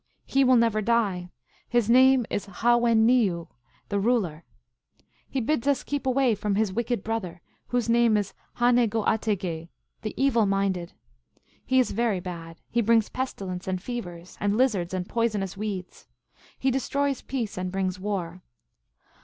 He will never die. His name is Ha wen ni yu^ the Ruler. He bids us keep away from his wicked brother, whose name is Ha ne go ate geh^ the Evil Minded. He is very bad. He brings pestilence and fevers, and lizards and poisonous weeds. He destroys peace, and brings war.